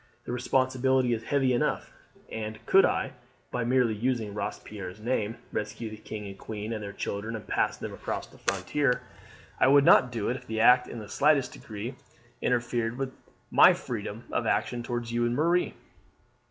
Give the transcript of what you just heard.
The responsibility is heavy enough; and could I, by merely using Robespierre's name, rescue the king and queen and their children and pass them across the frontier, I would not do it if the act in the slightest degree interfered with my freedom of action towards you and Marie."